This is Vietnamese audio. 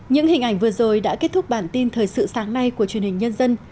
những hình ảnh vừa rồi đã kết thúc bản tin thời sự sáng nay của truyền hình nhân dân